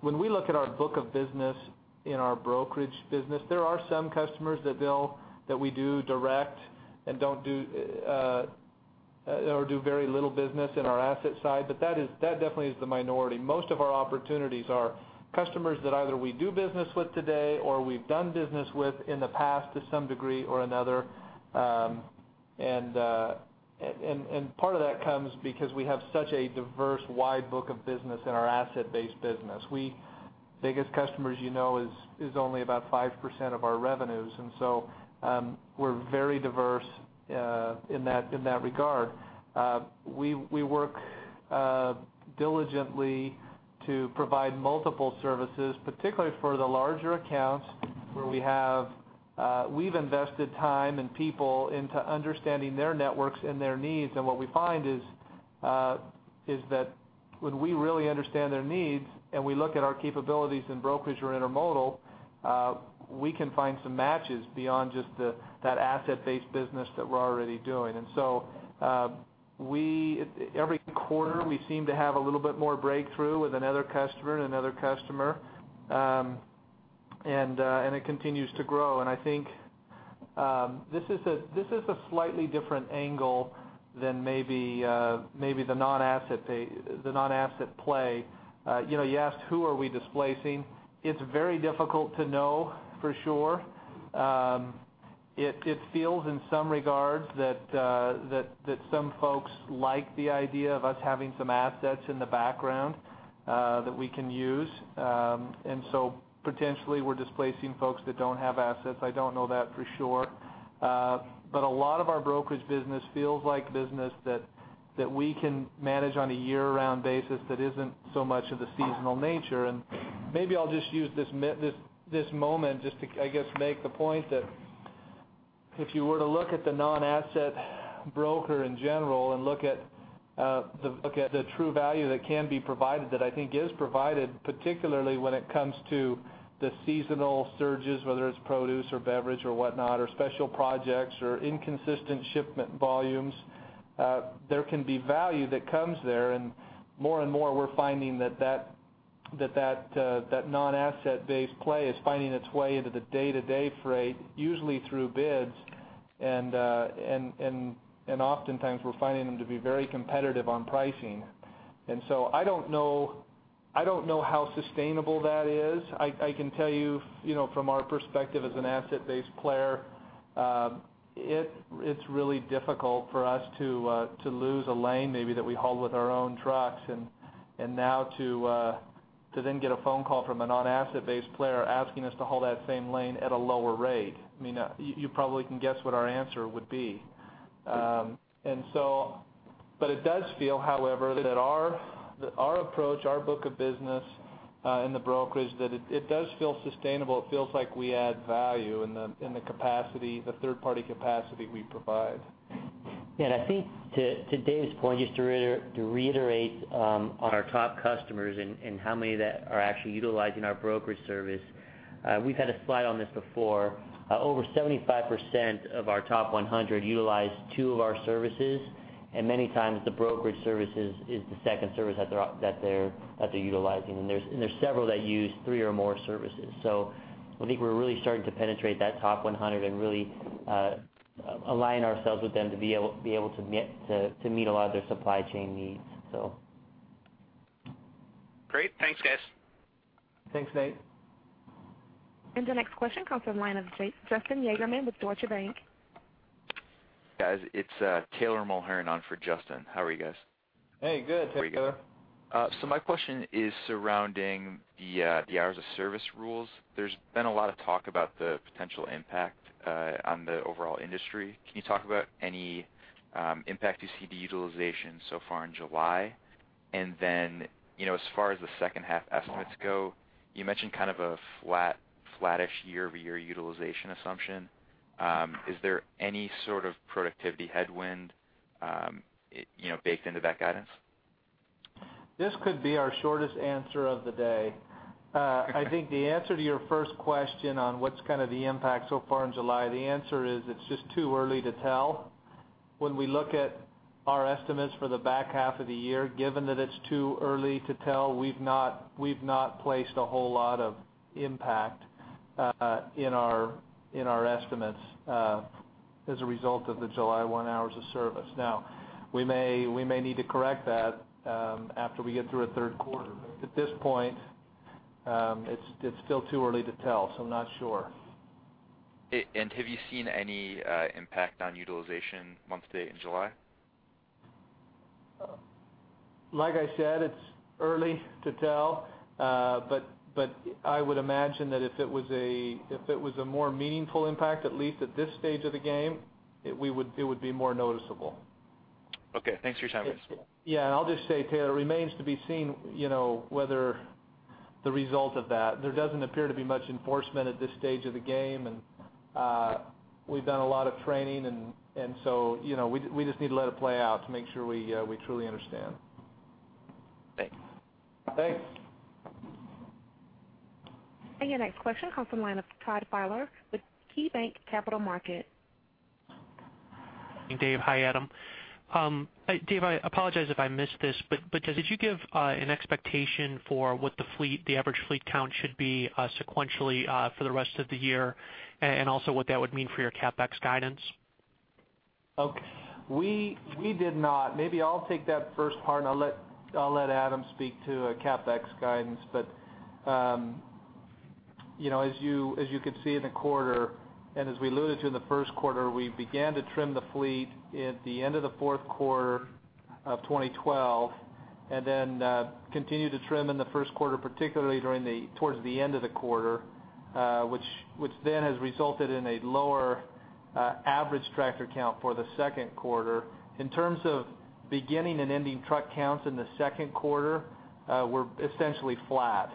When we look at our book of business in our brokerage business, there are some customers that we do direct and don't do, or do very little business in our asset side, but that definitely is the minority. Most of our opportunities are customers that either we do business with today or we've done business with in the past to some degree or another. Part of that comes because we have such a diverse, wide book of business in our asset-based business. Our biggest customers, you know, is only about 5% of our revenues, and so we're very diverse in that regard. We work diligently to provide multiple services, particularly for the larger accounts, where we've invested time and people into understanding their networks and their needs. What we find is that when we really understand their needs, and we look at our capabilities in brokerage or intermodal, we can find some matches beyond just that asset-based business that we're already doing. So, every quarter, we seem to have a little bit more breakthrough with another customer and another customer, and it continues to grow. I think this is a slightly different angle than maybe the non-asset play. You know, you asked, who are we displacing? It's very difficult to know for sure. It feels in some regards that some folks like the idea of us having some assets in the background that we can use. And so potentially, we're displacing folks that don't have assets. I don't know that for sure. But a lot of our brokerage business feels like business that we can manage on a year-round basis, that isn't so much of the seasonal nature. And maybe I'll just use this moment, just to, I guess, make the point that if you were to look at the non-asset broker in general and look at the true value that can be provided, that I think is provided, particularly when it comes to the seasonal surges, whether it's produce or beverage or whatnot, or special projects, or inconsistent shipment volumes, there can be value that comes there. And more and more, we're finding that non-asset-based play is finding its way into the day-to-day freight, usually through bids, and oftentimes, we're finding them to be very competitive on pricing. And so I don't know how sustainable that is. I can tell you, you know, from our perspective as an asset-based player, it's really difficult for us to lose a lane maybe that we haul with our own trucks, and now to then get a phone call from a non-asset-based player asking us to haul that same lane at a lower rate. I mean, you probably can guess what our answer would be. And so... But it does feel, however, that our approach, our book of business in the brokerage, that it does feel sustainable. It feels like we add value in the capacity, the third-party capacity we provide. And I think to, to Dave's point, just to to reiterate, on our top customers and, and how many that are actually utilizing our brokerage service, we've had a slide on this before. Over 75% of our top 100 utilize two of our services, and many times, the brokerage services is the second service that they're, that they're, that they're utilizing, and there's, and there's several that use three or more services. So I think we're really starting to penetrate that top 100 and really, align ourselves with them to be able, to be able to meet, to, to meet a lot of their supply chain needs, so. Great. Thanks, guys. Thanks, Nate. The next question comes from the line of Justin Yagerman with Deutsche Bank. Guys, it's Taylor Mulherin on for Justin. How are you guys? Hey, good, Taylor. How are you? So my question is surrounding the hours of service rules. There's been a lot of talk about the potential impact on the overall industry. Can you talk about any impact you see the utilization so far in July? And then, you know, as far as the second half estimates go, you mentioned kind of a flat, flattish year-over-year utilization assumption. Is there any sort of productivity headwind, you know, baked into that guidance? This could be our shortest answer of the day. I think the answer to your first question on what's kind of the impact so far in July, the answer is it's just too early to tell. When we look at our estimates for the back half of the year, given that it's too early to tell, we've not placed a whole lot of impact in our estimates as a result of the July 1 hours of service. Now, we may need to correct that after we get through a third quarter. But at this point, it's still too early to tell, so I'm not sure. Have you seen any impact on utilization month-to-date in July? Like I said, it's early to tell, but I would imagine that if it was a more meaningful impact, at least at this stage of the game, it would be more noticeable. Okay, thanks for your time. Yeah, and I'll just say, Taylor, it remains to be seen, you know, whether the result of that. There doesn't appear to be much enforcement at this stage of the game, and we've done a lot of training, and so, you know, we just need to let it play out to make sure we truly understand. Thanks. Thanks! Your next question comes from the line of Todd Fowler with KeyBanc Capital Markets. Dave. Hi, Adam. Dave, I apologize if I missed this, but did you give an expectation for what the fleet, the average fleet count should be, sequentially, for the rest of the year, and also what that would mean for your CapEx guidance? Okay. We did not. Maybe I'll take that first part, and I'll let Adam speak to our CapEx guidance. But, you know, as you can see in the quarter, and as we alluded to in the first quarter, we began to trim the fleet at the end of the fourth quarter of 2012, and then continued to trim in the first quarter, particularly towards the end of the quarter, which then has resulted in a lower average tractor count for the second quarter. In terms of beginning and ending truck counts in the second quarter, we're essentially flat.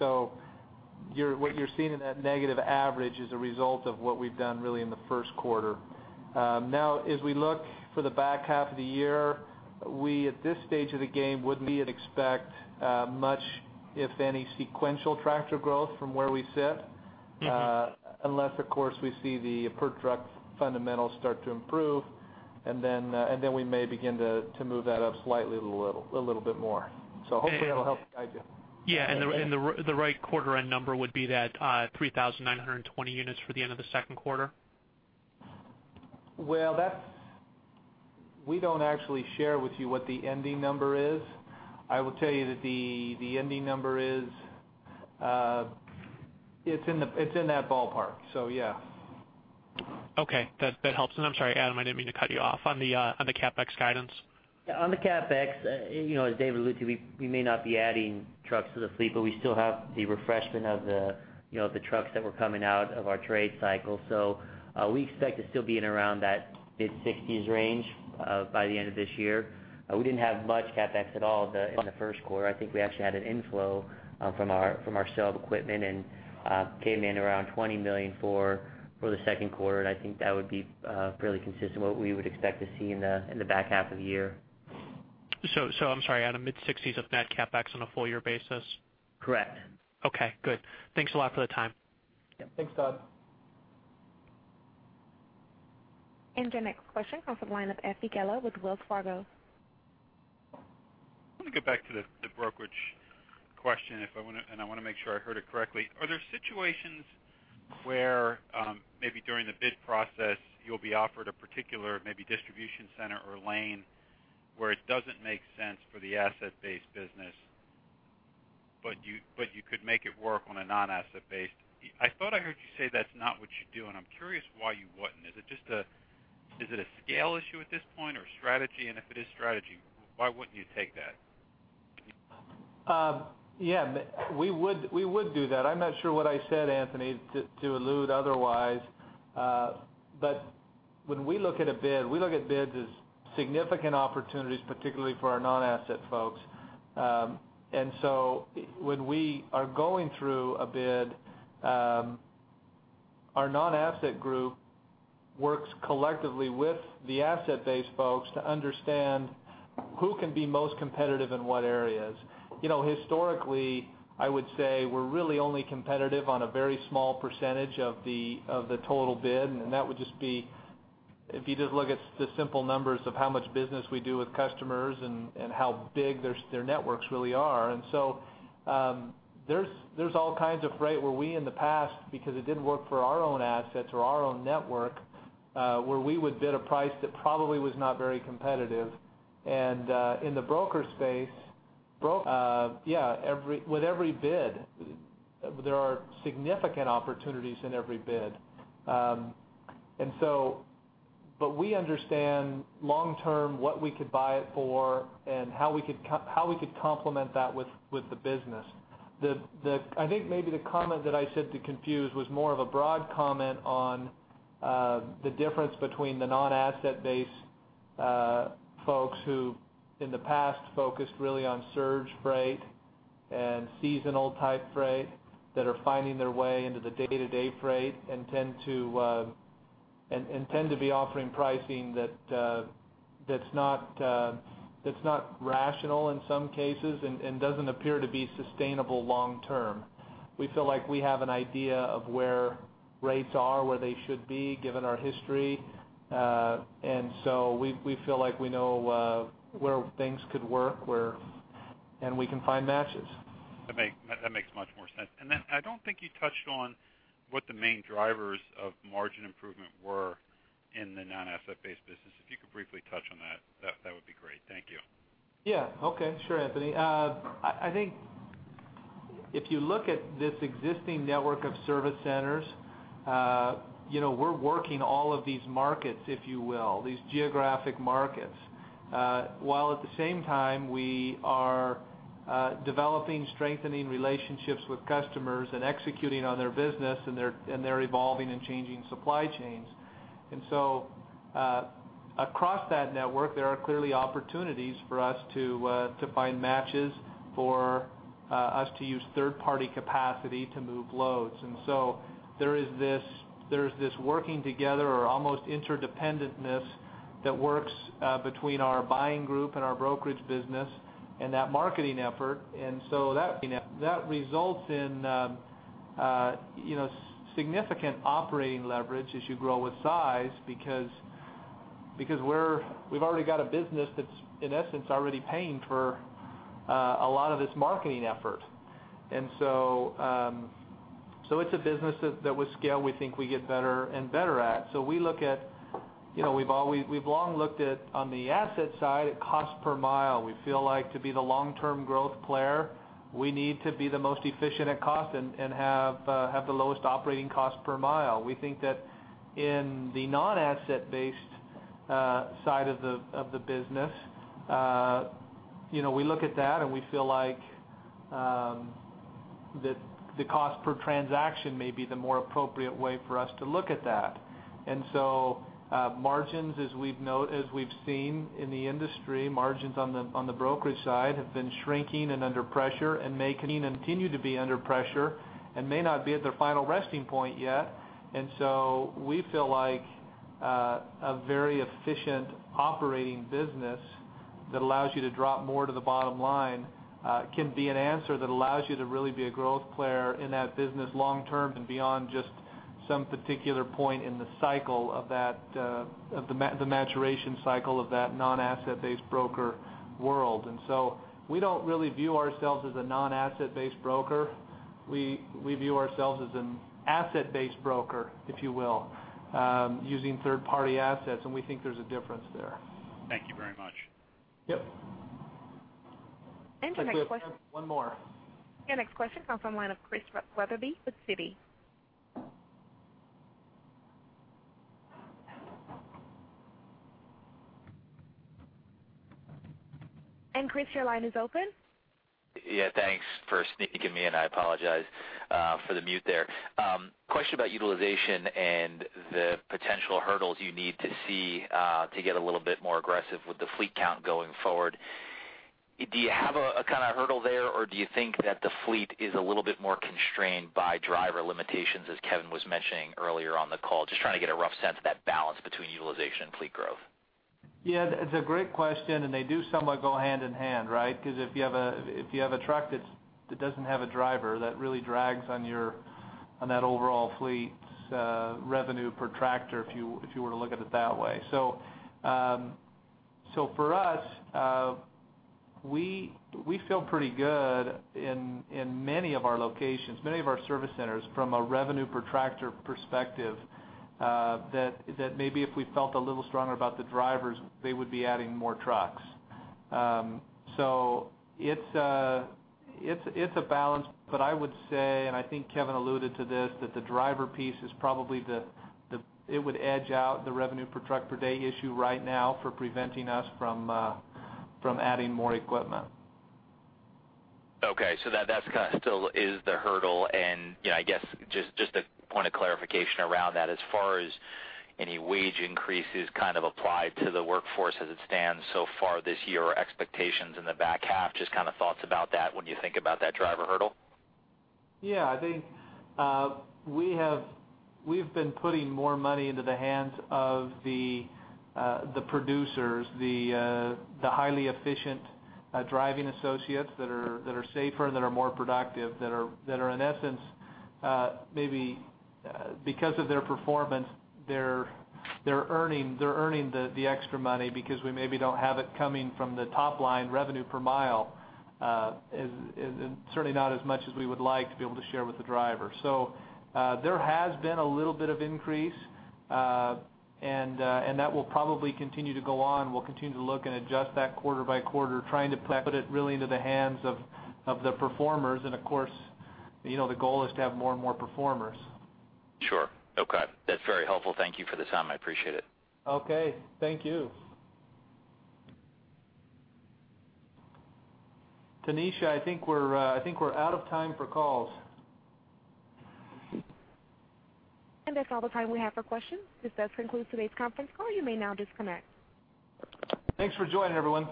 So, what you're seeing in that negative average is a result of what we've done really in the first quarter. Now, as we look for the back half of the year, we, at this stage of the game, wouldn't expect much, if any, sequential tractor growth from where we sit. Mm-hmm. Unless, of course, we see the per truck fundamentals start to improve, and then we may begin to move that up slightly, a little bit more. So hopefully, that'll help guide you. Yeah, and the right quarter-end number would be that 3,920 units for the end of the second quarter? Well, that's... We don't actually share with you what the ending number is. I will tell you that the ending number is, it's in that ballpark, so yeah. Okay. That, that helps. And I'm sorry, Adam, I didn't mean to cut you off on the, on the CapEx guidance. Yeah, on the CapEx, you know, as David alluded to, we may not be adding trucks to the fleet, but we still have the refreshment of the, you know, the trucks that were coming out of our trade cycle. So, we expect to still be in around that mid-60s range by the end of this year. We didn't have much CapEx at all in the first quarter. I think we actually had an inflow from our sale of equipment and came in around $20 million for the second quarter. And I think that would be fairly consistent with what we would expect to see in the back half of the year. So, I'm sorry, Adam, mid-60s of net CapEx on a full-year basis? Correct. Okay, good. Thanks a lot for the time. Yeah. Thanks, Todd. Your next question comes from line of Anthony Gallo with Wells Fargo. Let me get back to the brokerage question, and I want to make sure I heard it correctly. Are there situations where maybe during the bid process, you'll be offered a particular maybe distribution center or lane, where it doesn't make sense for the asset-based business, but you could make it work on a non-asset-based? I thought I heard you say that's not what you do, and I'm curious why you wouldn't. Is it just a scale issue at this point, or strategy? And if it is strategy, why wouldn't you take that? Yeah, we would, we would do that. I'm not sure what I said, Anthony, to, to allude otherwise. But when we look at a bid, we look at bids as significant opportunities, particularly for our non-asset folks. And so when we are going through a bid, our non-asset group works collectively with the asset-based folks to understand who can be most competitive in what areas. You know, historically, I would say we're really only competitive on a very small percentage of the, of the total bid, and that would just be if you just look at the simple numbers of how much business we do with customers and, and how big their, their networks really are. There's all kinds of freight where we, in the past, because it didn't work for our own assets or our own network, where we would bid a price that probably was not very competitive. In the broker space, yeah, with every bid, there are significant opportunities in every bid. But we understand long term, what we could buy it for and how we could complement that with the business. I think maybe the comment that I said to confuse was more of a broad comment on the difference between the non-asset-based folks who, in the past, focused really on surge freight and seasonal type freight that are finding their way into the day-to-day freight and tend to and tend to be offering pricing that's not rational in some cases and doesn't appear to be sustainable long term. We feel like we have an idea of where rates are, where they should be, given our history. And so we feel like we know where things could work and we can find matches. That makes much more sense. And then I don't think you touched on what the main drivers of margin improvement were in the non-asset-based business. If you could briefly touch on that, that would be great. Thank you. Yeah. Okay, sure, Anthony. I think if you look at this existing network of service centers, you know, we're working all of these markets, if you will, these geographic markets, while at the same time, we are developing, strengthening relationships with customers and executing on their business and their, and their evolving and changing supply chains. And so, across that network, there are clearly opportunities for us to find matches, for us to use third-party capacity to move loads. And so there is this - there's this working together or almost interdependentness that works between our buying group and our brokerage business and that marketing effort. That results in, you know, significant operating leverage as you grow with size, because we've already got a business that's, in essence, already paying for a lot of this marketing effort. So it's a business that with scale, we think we get better and better at. So we look at, you know, we've long looked at, on the asset side, at cost per mile. We feel like to be the long-term growth player, we need to be the most efficient at cost and have the lowest operating cost per mile. We think that in the non-asset-based side of the business, you know, we look at that, and we feel like that the cost per transaction may be the more appropriate way for us to look at that. And so, margins, as we've seen in the industry, margins on the brokerage side have been shrinking and under pressure and may continue to be under pressure and may not be at their final resting point yet. And so we feel like a very efficient operating business that allows you to drop more to the bottom line can be an answer that allows you to really be a growth player in that business long term and beyond just some particular point in the cycle of that, of the maturation cycle of that non-asset-based broker world. And so we don't really view ourselves as a non-asset-based broker. We, we view ourselves as an asset-based broker, if you will, using third-party assets, and we think there's a difference there. Thank you very much. Yep. Your next question- One more. Your next question comes from the line of Chris Wetherbee with Citi. Chris, your line is open. Yeah, thanks for sneaking me in. I apologize for the mute there. Question about utilization and the potential hurdles you need to see to get a little bit more aggressive with the fleet count going forward. Do you have a kind of hurdle there, or do you think that the fleet is a little bit more constrained by driver limitations, as Kevin was mentioning earlier on the call? Just trying to get a rough sense of that balance between utilization and fleet growth. Yeah, it's a great question, and they do somewhat go hand in hand, right? 'Cause if you have a truck that doesn't have a driver, that really drags on that overall fleet's revenue per tractor, if you were to look at it that way. So, for us, we feel pretty good in many of our locations, many of our service centers, from a revenue per tractor perspective, that maybe if we felt a little stronger about the drivers, they would be adding more trucks. So it's a balance, but I would say, and I think Kevin alluded to this, that the driver piece is probably the—it would edge out the revenue per truck per day issue right now for preventing us from adding more equipment. Okay, so that kind of still is the hurdle. And, you know, I guess, just a point of clarification around that, as far as any wage increases kind of applied to the workforce as it stands so far this year or expectations in the back half, just kind of thoughts about that when you think about that driver hurdle? Yeah, I think we have—we've been putting more money into the hands of the producers, the highly efficient driving associates that are safer, that are more productive, that are, in essence, maybe because of their performance, they're earning the extra money because we maybe don't have it coming from the top-line revenue per mile, and certainly not as much as we would like to be able to share with the driver. So, there has been a little bit of increase, and that will probably continue to go on. We'll continue to look and adjust that quarter by quarter, trying to put it really into the hands of the performers. And of course, you know, the goal is to have more and more performers. Sure. Okay. That's very helpful. Thank you for the time. I appreciate it. Okay, thank you. Tanisha, I think we're, I think we're out of time for calls. That's all the time we have for questions. This does conclude today's conference call. You may now disconnect. Thanks for joining, everyone.